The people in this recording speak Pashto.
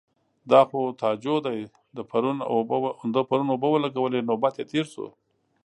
_دا خو تاجو دی، ده پرون اوبه ولګولې. نوبت يې تېر شو.